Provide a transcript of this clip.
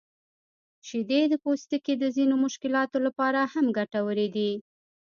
شیدې د پوستکي د ځینو مشکلاتو لپاره هم ګټورې دي.